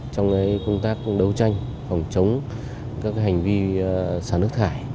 trong công tác đấu tranh phòng chống các hành vi xả nước thải